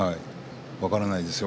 分からないですよ